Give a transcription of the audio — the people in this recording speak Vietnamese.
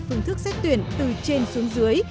phương thức xét tuyển từ trên xuống dưới